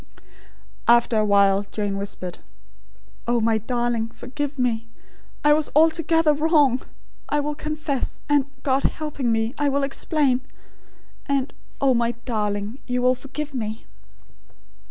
After a while Jane whispered: "Oh, my darling, forgive me. I was altogether wrong. I will confess; and, God helping me, I will explain; and, oh, my darling, you will forgive me?"